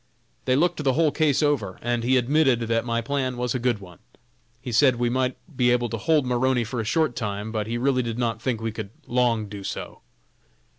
They looked the whole case over, and he admitted that my plan was a good one. He said we might be able to hold Maroney for a short time, but he really did not think we could long do so.